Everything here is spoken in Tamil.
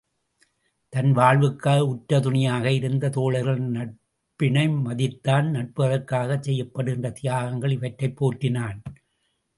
தன் வாழ்வுக்கு உறுதுணையாக இருந்த தோழர்களின் நட்பினை மதித்தான் நட்பு அதற்காகச் செய்யப்படுகின்ற தியாகங்கள் இவற்றைப் போற்றினான்.